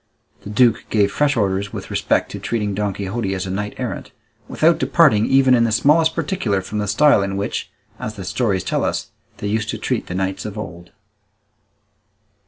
The duke gave fresh orders with respect to treating Don Quixote as a knight errant, without departing even in smallest particular from the style in which, as the stories tell us, they used to treat the knights of old.